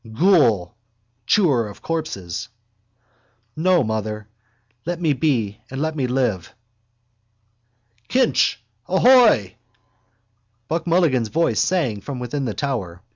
_ Ghoul! Chewer of corpses! No, mother! Let me be and let me live. —Kinch ahoy! Buck Mulligan's voice sang from within the tower.